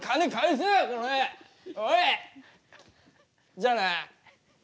じゃあな。